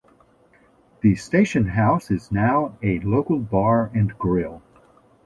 The station house is now a local bar and grille.